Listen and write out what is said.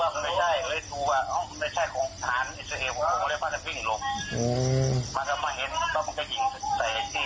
พอดีมันกวนมันเยอะเกินทักเชื่อใจมันเปิดหน้าตาแล้ววิ่งออก